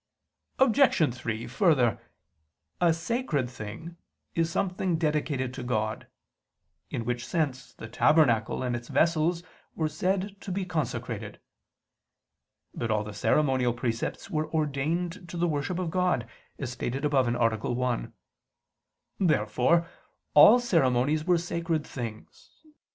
Obj. 3: Further, a "sacred thing" is something dedicated to God: in which sense the tabernacle and its vessels were said to be consecrated. But all the ceremonial precepts were ordained to the worship of God, as stated above (A. 1). Therefore all ceremonies were sacred things.